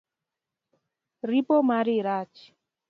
Ripo mari rach